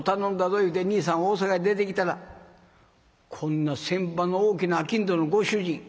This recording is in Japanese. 言うて兄さん大坂へ出てきたらこんな船場の大きな商人のご主人。